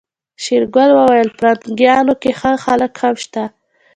شېرګل وويل پرنګيانو کې ښه خلک هم شته.